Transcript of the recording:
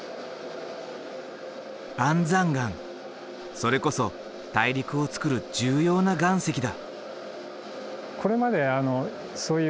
それこそ大陸をつくる重要な岩石だ。